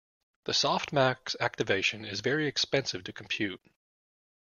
The softmax activation is very expensive to compute.